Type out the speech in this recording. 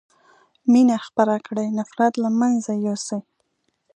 مينه خپره کړي نفرت له منځه يوسئ